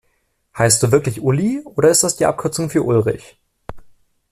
Heißt du wirklich Uli, oder ist das die Abkürzung für Ulrich?